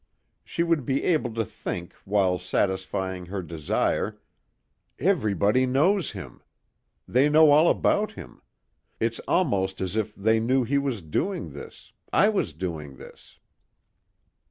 She would be able to think while satisfying her desire, "Everybody knows him. They know all about him. It's almost as if they knew he was doing this ... I was doing this."